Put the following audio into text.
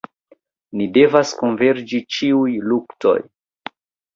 Ni devas konverĝi ĉiuj luktoj.